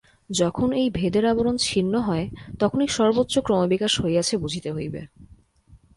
যখন এই ভেদের আবরণ ছিন্ন হয়, তখনই সর্বোচ্চ ক্রমবিকাশ হইয়াছে, বুঝিতে হইবে।